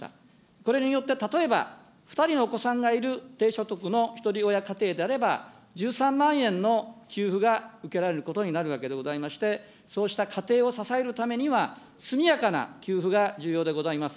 それによって例えば、２人のお子さんがいる低所得のひとり親家庭であれば、１３万円の給付が受けられることになるわけでございまして、そうした家庭を支えるためには、速やかな給付が重要でございます。